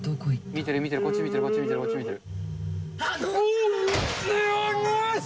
見てる、見てる、こっち見てる。